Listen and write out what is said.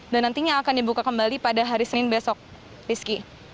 dan nantinya akan dibuka kembali pada hari senin besok rizky